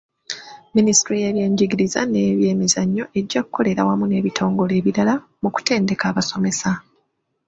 Minisitule y'ebyenjigiriza n'ebyemizannyo ejja kukolera wamu n'ebitongole ebirala mu kutendeka abasomesa.